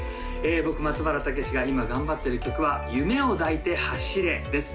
僕松原健之が今頑張ってる曲は「夢を抱いて走れ」です